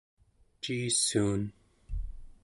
ciissuun